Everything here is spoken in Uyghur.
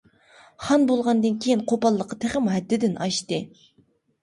خان بولغاندىن كېيىن قوپاللىقى تېخىمۇ ھەددىدىن ئاشتى.